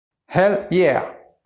Hell Yeah